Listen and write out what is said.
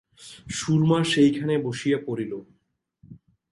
সুরমা সেইখানে বসিয়া পড়িল।